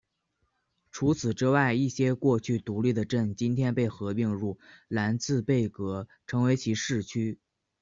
除此之外一些过去独立的镇今天被合并入兰茨贝格成为其市区。